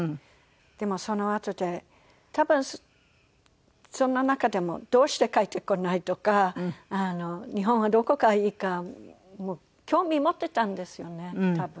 でもそのあとで多分そんな中でもどうして帰ってこない？とか日本はどこがいいか興味持っていたんですよね多分。